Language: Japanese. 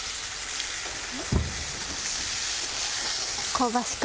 香ばしく